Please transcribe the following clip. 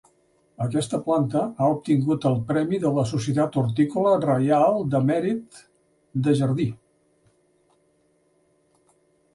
Aquesta planta ha obtingut el premi de la Societat Hortícola Reial de Mèrit de Jardí.